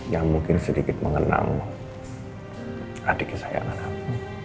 yang mungkin sedikit mengenal adik kesayangan aku